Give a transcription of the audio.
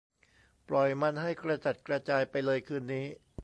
ปล่อยมันให้กระจัดกระจายไปเลยคืนนี้